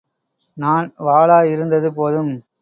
நான் வாளா இருந்தது போதும்.